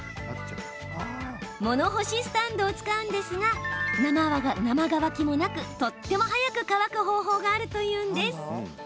物干しスタンドを使うのですが生乾きもなくとっても早く乾く方法があるというんです。